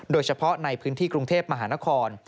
โดยเฉพาะในพื้นที่กรุงเทพมหานคร